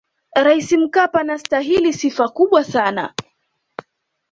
raisi mkapa anasitahili sifa kubwa sana